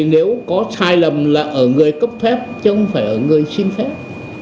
nếu có sai lầm là ở người cấp phép chứ không phải ở người xin phép